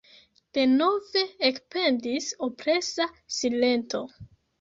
Denove ekpendis opresa silento.